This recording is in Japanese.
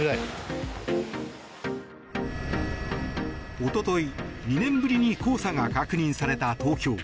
一昨日、２年ぶりに黄砂が確認された東京。